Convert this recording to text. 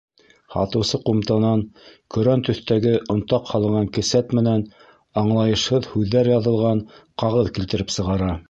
Һатыусы ҡумтанан көрән төҫтәге онтаҡ һалынған кесәт менән аңлайышһыҙ һүҙҙәр яҙылған ҡағыҙ килтереп сығара.